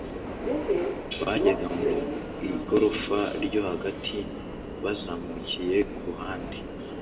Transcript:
bajyaga mu igorofa ryo hagati bazamukiye kuruhande.